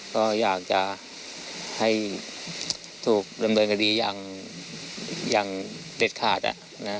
ก็อยากจะให้ถูกดำเนินคดีอย่างเด็ดขาดอ่ะนะ